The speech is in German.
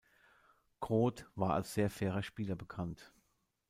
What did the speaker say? Groth war als sehr fairer Spieler bekannt.